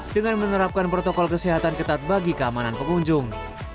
dengan menerapkan protokol kesehatan ketat bagi keamanan pengunjung